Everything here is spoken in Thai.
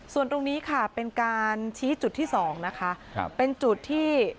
ส่วนตรงนี้ค่ะเป็นการชี้จุดที่สองนะคะครับเป็นจุดที่